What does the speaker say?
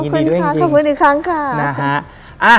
ขอบคุณค่ะขอบคุณอีกครั้งค่ะ